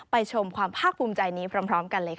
ชมความภาคภูมิใจนี้พร้อมกันเลยค่ะ